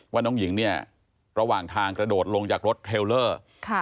ว่าน้องหญิงเนี่ยระหว่างทางกระโดดลงจากรถเทลเลอร์ค่ะ